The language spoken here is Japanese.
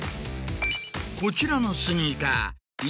こちらのスニーカー今。